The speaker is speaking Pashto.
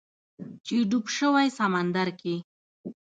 چې ډوب شوی سمندر کې